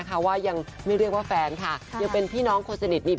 เขาจะแซวมากกว่าแต่เขาจะไม่ได้จริงจัง